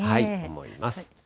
思います。